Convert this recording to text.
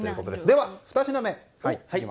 では、２品目。